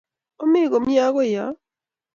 omii komie akoiya